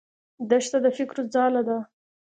دښته د فکرو ځاله ده.